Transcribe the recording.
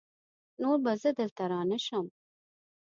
نور به زه دلته رانشم!